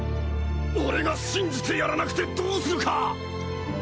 俺が信じてやらなくてどうするか！